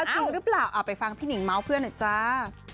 พี่เป่๋ยเนี่ยจะเลิกปั๊มนมให้รูปแล้วจริงหรือไม่